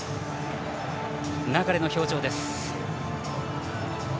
流の表情です。